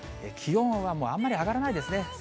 気温はもうあまり上がらないですね。